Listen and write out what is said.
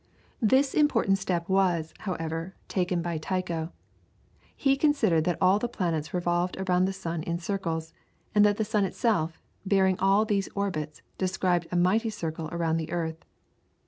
This important step was, however, taken by Tycho. He considered that all the planets revolved around the sun in circles, and that the sun itself, bearing all these orbits, described a mighty circle around the earth.